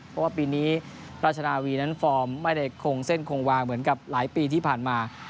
เพราะว่าปีนี้ราชนาวีนั้นฟอร์มไม่ได้คงเส้นคงวางเหมือนกับหลายปีที่ผ่านมา